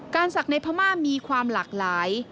ศักดิ์ในพม่ามีความหลากหลาย